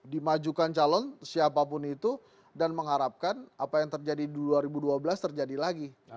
dimajukan calon siapapun itu dan mengharapkan apa yang terjadi di dua ribu dua belas terjadi lagi